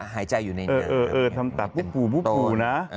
หายใจอยู่ในนี้เออทำปากปุ๊บนะ